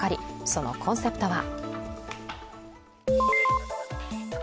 そのコンセプトは？